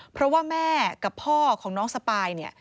เพราะว่าแม่กับพ่อของน้องสปายเนี่ย